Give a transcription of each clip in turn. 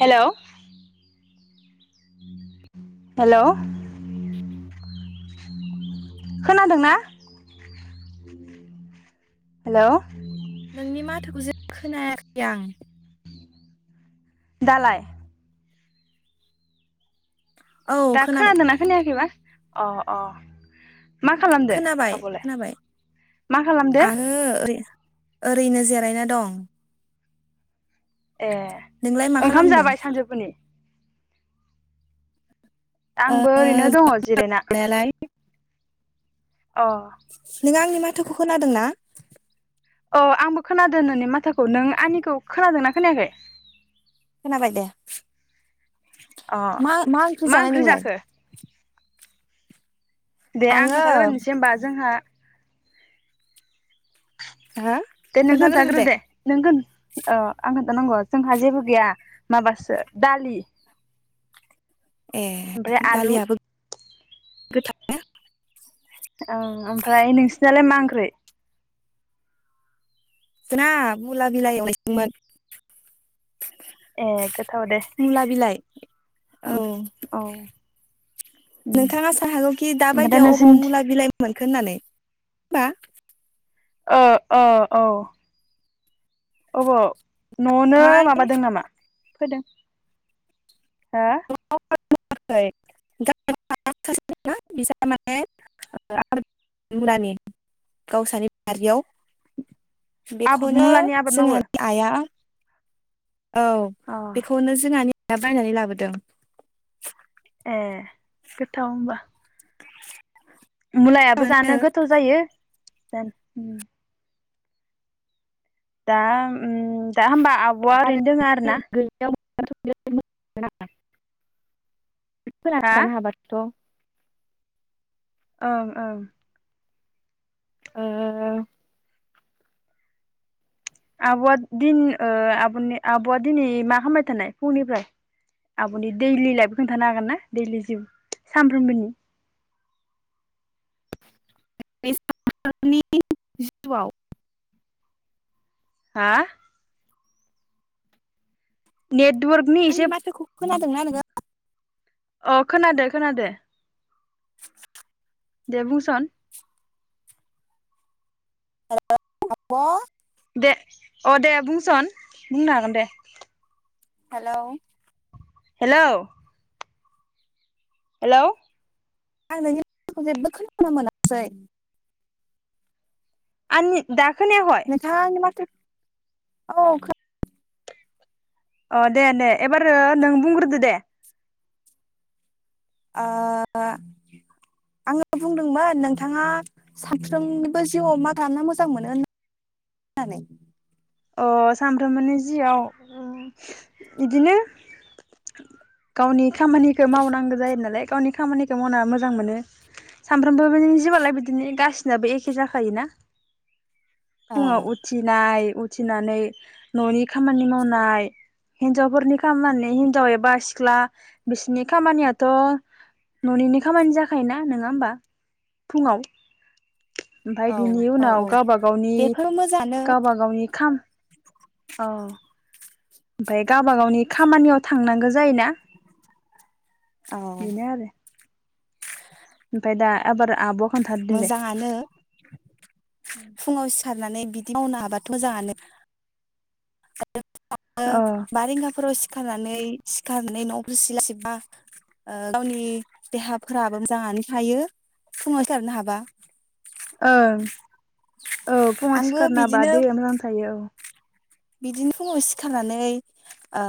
हेल' hello. खोनादोंना hello नोंनि माथोखौ जे खोनायाखै आं। दालाय? औ दा खोनाबाय खोनादोंना खोनायाखैबा? अ अ। मा खालामदो खोनाबाय आब'लाय खोनाबाय मा खालामदो आरो ओरै ओरैनो जिरायना दं। ए नोंलाय मा ओंखाम खालामदों जाबाय सानजौफुनि? ओ आंबो ओरैनो दङ जिरायना। [inaudible] अ नों आंशिक मा- थोखौ खोनादों ना? औ आंबो खोनादों नोंनि माथोखौ। नों आंनिखौ खोनादोंना? खोनायाखै? खोनाबाय दे। अ मा मा ओंख्रि जानाय नोंलाय? दे आं आङो खोथागोरोननोसै होमबा जोंहा हो दे नों खोन्थाग्रो दे नों अ आं नांगौ जोंहा जेबो गैया माबासो दालि। ए ओमफ्राय आलु दालियाबो गोथावना? ओं ओमफ्राय नोंसिनालाय मा ओंख्रै? जोंना मुला बिलाइ एवनायसोमोन। ए गोथाव दे। मुला बिलाइ उम औ औ उम ओमफ्राय नोंथाङा सानो हागौखि दा बायदियाव अबाव मुला बिलाइ मोनखो होन्नानै। मा? ओ ओ औ अबाव? नआवनो माबादों ओमफाय नामा? फोदों हो [unintelligible] मुलानि गावसानि बारियाव आबाद बेखौनो मुलानि आबाद मावो जोंहानि आइआ औ अ बेखौनो जोंहनि [unintelligible] आ बायनानै लाबोदों। ए गोथाव होमबा? मुलायाबो जानो गोथाव जायो दान उम दा उम दा होमबा आबआ ओरैनो दोङो आरो ना? [unintelligible] फोना हा जानो हाबाथ ओं ओं ओ ओ ओ आबआ दिन ओ आबआ दिनै मा खालामबाय थानाय फुंनिफ्राय आबनि दैलि लाइफ खोनन्थानो हागोनना दैलि जिउ सानफ्रोमबोनि [inaudible] सानफ्रोमबोनि जिवआव हा नेत [unintelligible] आंनि एसे माथोखौ खोनादोंना नोंङो ओ खोनादो खोनादो [inaudible] दे बुंसोन [unintelligible] दे अ दे बुंसन बुंनो हागोन दे हेलौ हेलौ हेलौ आं नोंनि माथोखौ जेबो खोनानो मोनासै आनि दा खोनायाखय मोनोंथाङा आंनि माथो औ ओ दे दे एबार नों बुंग्रोदो दे ओ आंङो बुंदोंमोन नोंथाङा सानफ्रोमनिबो जिउआव मा खालामना मोजां मोनो होननानै ओ सानफ्रोमबोनि जिआव बिदिनो गावनि खामानिखौ मावनांगौ जायो नालाय गावनि खामानिखौ मावना मोजां मोनो सानफ्रोमबो नि जिवालाय बिदिनो गाासिनाबो एखे जाखायोना औ फुंङाव उथिनाय ओथिनानै न'नि खामानि मावनाय हिनजावफोरनि खामानि हिनजाव एबा सिख्ला बिसोरनि खामानियाथ' न'नि खामानि जाखायोना नंङा होमबा फुंङाव ओमफ्राय औ बिनि औ उनाव औ गावबा गावनि बेफोर मोजाङानो गावबा गावनि खाम ओ। ओमफ्राय गावबा गावनि खामानियाव थांनांगौ जायोना। औ बिनो आरो ओमफ्राय दा एबार आब' मोजाङानो फुङाव सिखारनानै बिदि दि मावनो हाबाथ' मोजाङानो। अ [inaudible] बा रिंगाफोराव सि सिखारनानै सिखारनानै न'फोर सिला सिबबा ओ गावनि देहाफोराबो मोजाङानो थायो फुङाव साखारनो हाबा। ओं औ फुङाव आंबो सिखारना बा बिदिनो देहाया मोजां थायो औ। बिदिनो फुङाव सिखारनानै ओ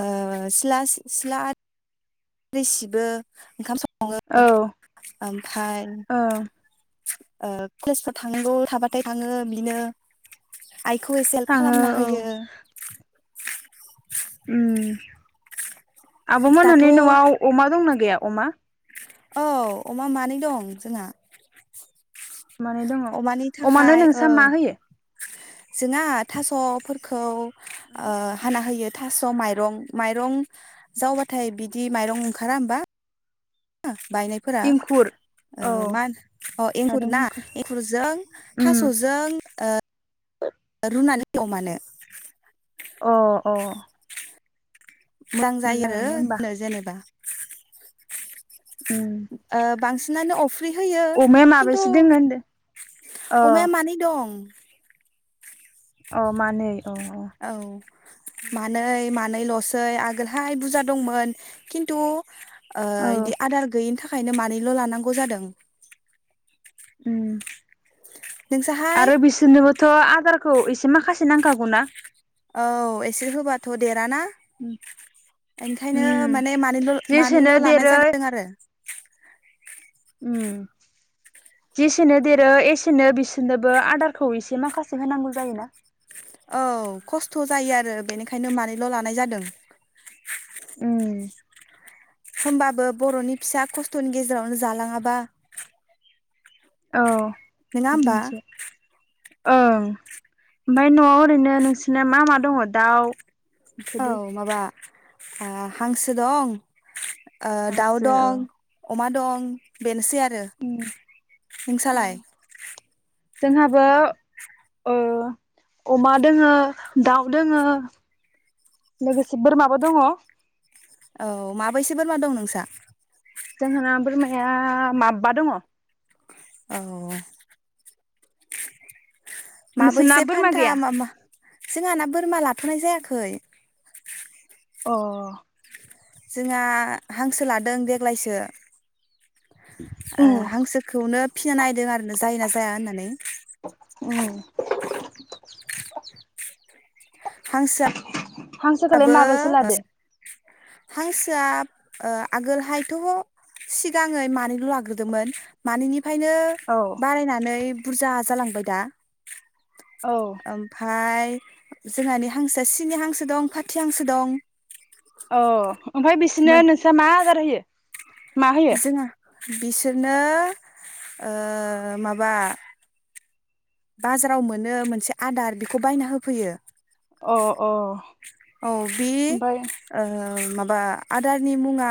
ओ सिला सिला आरि सिबो ओंखाम स संङो औ ओमफ्राय औ ओ क्लासफोराव थांनांगौ थाबाथाय थाङो बिदिनो आइखौ एसे हेल्प थाङो खालामना औ होयो। उम्म। दाथ' आब'मोनहानि न'आव अमा दंना गैया? अमा औ अमा मानै दं जोंहा। मानै दङ अमानि थाखाय अमानो नोंस्रा मा औ होयो? जोंहा थास'फोरखौ ओ हाना होयो। थास' माइरं माइरं जावबाथाय बिदि माइरं ओंखारा होमबा? बायनायफोरा इंखुर औ ओ मान अह एंखुर माइरं ना इंखुर एंखुरजों उम थास'जों रुनानै होयो अमानो। अह अह। मोजां जायो आरो होनो जेनेबा। उम ओ बांसि नो अफ फ्रि होयो अमाया खिन्थु माबेसे दोङो होनदों अ अमाया मानै दं। अह मानै। अ अ औ मानै मानैल' सै आगोलहाय बुजा दंमोन किन्थु ओ औ इदि आदार गैयिनि थाखाय नो मानैल' लानांगौ जादों। उम। नोंसाहाय आरो बिसिनोबो थ' आदारखौ एसे माखासे नांखागौ ना? औ एसे होबाथ' देराना। इनखायनो उम माने मानैल' जेसेनो मानैल' लानाय देरो जादों आरो उम जेसेनो देरो एसेनो बिसोरनोबो आदारखौ एसे माखासे होनांगौ जायो ना? औ खस्थ' जायो आरो बेनिखायनो मानैल' लानाय जादों। उम। होमबाबो बर'नि फिसा खस्थ'नि गेजेरावनो जालाङाबा औ। नोङा होमबा? बिदिनोसै ओं ओमफ्राय न'आव ओरैनो नोंसिना मा मा दङ'? दाउ औ बेफोरदि माबा आ हांसो दं ओ दाउ हांसो औ दं अमा दं बेनोसै आ रो। औ नोंसालाय? जोंहाबो ओ अमा दोङो दाउ दोङो लोगोसे बोरमाबो दङ'। औ माबैसे बोरमा दं नोंसा? जोंहाना बोरमाया माबबा दङ'। औ। नोंसोरना माबैसे बोरमा फानथा गैया मा मा जोंहाना बोरमा लाब थ'नाय जायाखै। अ जोंहा हांसो लादों देग्लायसो। ओ उम हांसोखौनो फिसिना नायदों आरो ना जायोना जाया होननानै। अ। हांसोआ हांसोखोलाय माबैसे लादो? हांसोआ ओ आगोलहायथ' सिगाङै मानैल' लाग्रोदोमोन। मानैनि फायनो औ बारायनानै बुरजा जालांबाय दा। औ ओमफाय जोंहानि हांसोआ सिनि हांसो दं। फाथि हांसो दं। अ ओमफाय बिसिनो नोंसा मा आदार होयो? मा होयो? जोंहा बिसोरनो ओ माबा बाजाराव मोनो मोनसे आदार बेखौ बायना होफैयो। अ अ औ बे ओ माबा आदारनि मुङा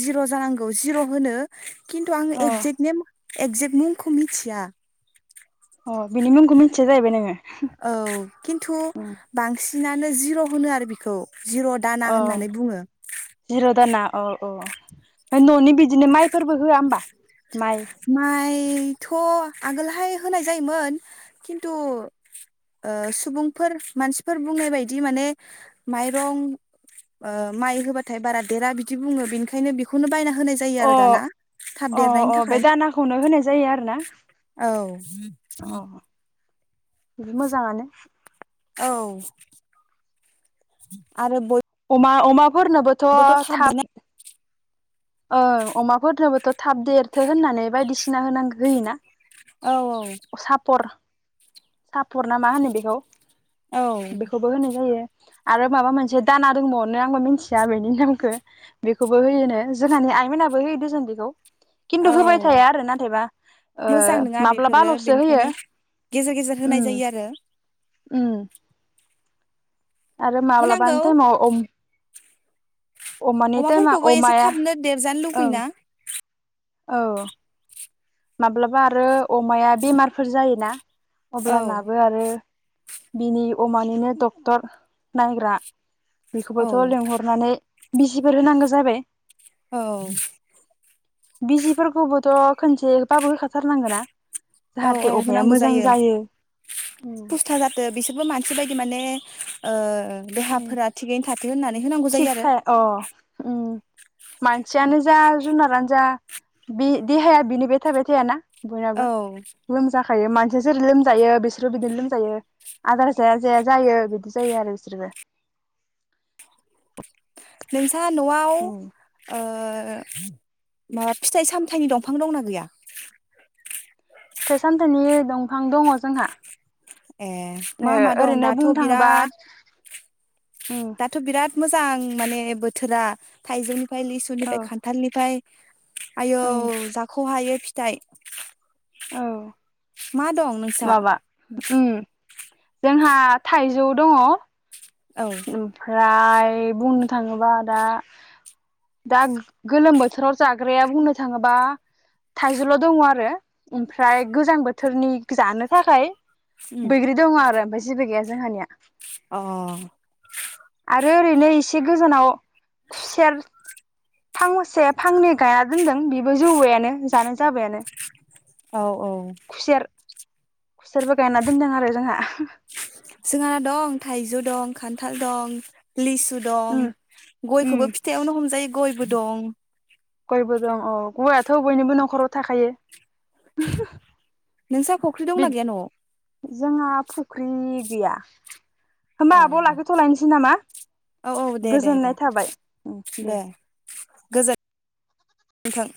जिर' जानांगौ जिर' होनो खिनथु आङो अ एगजेक्टनेम एगजेक्ट मुंखौ मिथिया। अ बिनि मुंखौ मिन्थिया जाहैबाय नोङो। औ खिन्थु बांसिन नानो जिर' होनो आरो बेखौ। जिर' दाना होननानै बुङो। औ औ ओमफ्राय न'नि बिदिनो माइफोरबो होआ होमबा माइ माइथ' आगोलहाय होनाय जायोमोन खिन्थु ओ सुबुंफोर मानसिफोर बुंनाय बायदि माने माइरं ओ माइ होबाथाय बारा देरा बिदि बुङो बेनिखायनो बेखौनो बायना हो होनाय जायो अ आरो दाना थाब देरनायनि थाखाय। खौनो होनाय जायो आरो ना औ अ बिदि मोजांङानो। औ आरो बय मा अमा फोरनोबोथ' थाब देरनो ओं अमाफोरनोबोथ' थाब देरथो होननानै बायदिसिना होनांगो होयोना। औ औ सापर सापर ना मा होनो बेखौ औ बेखौबो होनाय जायो। आरो माबा मोनसे दाना दंबावनो आंबो मिन्थिया बेनि नामखो बेखौबो होयोनो जोंहानि आइमोनाबो होयो देसन बेखौ। खिन्थु औ होबाय थाया आरो नाथायबा ओ मोजां नङा माब्लाबा बेफोरो ल'सो होयो। बेनिखायनो गेजेर गेजेर उम होनाय जायो आरो। उम आरो होनांगौ माब्लाबान थ'नाव अम अमाफोरखौबो एसे अमाया थाबनो देरजानो लुगैयो ओं ना औ माब्लाबा आरो अमाया बेमारफोर जायोना। औ अब्लानाबो आरो बिनि अमानिनो डक्टर नायग्रा औ बेखौबोथ' लिंहरनानै बिजिफोर होनांगो जाबाय। औ। बिजिफोरखौबोथ' खोनसे बाबो होखाथारनांगोना। औ जाहाथे औ अमाया होनांगौ मोजां जायो उम फुस्था जाथो बिसोरबो मानसि बाय माने ओ उम देहाफोरा थिगैनो थाथो होननानै होनांगौ थिग जायो आरो। थाय अ उम मानसियानो जा जुनारानो जा बि देहाया बिनि बे थाबाय थायाना। बयनाबो औ लोमजा खायो मानसिया जेरै लोमजायो बिसोरबो बिदिनो लोमजायो आदार जाया जाया जायो बिदि जायो आरो बिसोरबो। [unintelligible] ना न'आव ओ उम ओ माबा फिथाइ सामथाइनि दंफां दंना गैया। फिथाइ सामथाइनि दंफां दङ जोंहा। ए ओ मा मा दं ओरैनो दाथ' बुंनो थाङोबा बिराद उम दाथ' बिराद मोजां माने बोथोरा थाइजौनि फाय औ लिसुनिफाय खान्थालनिफाय आयौ उम जाख हायै फिथाइ। औ मा दं नों माबा उम जोंहा थाइजौ दङ। औ। फ्राय बुंनो थाङोबा दा दा गोलोम बोथोराव जाग्राया बुंनो थाङोबा थाइजौल' दङ आरो ओमफ्राय गोजां बोथोरनि जानो थाखाय बैग्रि दङ आरो ओमफ्राय जेबो गैया जोंहानिया। अ। रो ओरैनो एसे गोजानाव खुसेर फांसे फांनै गायना दोनदों बेबो जौबायानो जानो जाबायानो। औ औ। खुसेर खुसेरबो गायना दोनदों आरो जोंहा। जोंहाना दं थाइजौ दं खान्थाल दं। लिसु दं उम उम गयखौबो फिथायावनो हमजायो। गयबो दं। गयबो दं औ गयाथ' बयनिबो न'खराव थाखायो। नोंसा फख्रि बि दंना गैया न'वाव जोंहा फुख्रि गैया होमबा आब' औ लाखिथ'लायनोसै नामा औ औ दे दे दे गोजोननाय थाबाय उम दे नोंथां